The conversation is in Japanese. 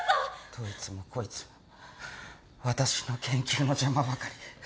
どいつもこいつも私の研究の邪魔ばかり。